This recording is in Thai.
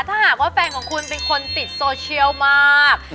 ถ้าหากว่าแฟนของคุณเป็นคนติดโซเชียลมาก